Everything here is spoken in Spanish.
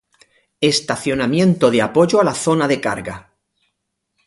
Estacionamiento de apoyo a la zona de carga.